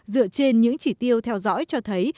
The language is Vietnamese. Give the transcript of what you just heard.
dựa trên những chỉ tiêu theo dõi cho thấy